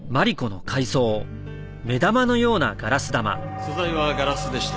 素材はガラスでした。